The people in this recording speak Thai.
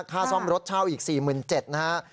ค่าซ่อมรถช่าวอีก๔๗๐๐๐บาทนะฮะ